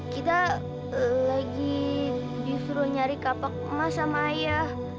kita lagi disuruh nyari kapak emas sama ayah